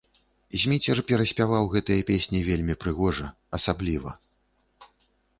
Зміцер пераспяваў гэтыя песні вельмі прыгожа, асабліва.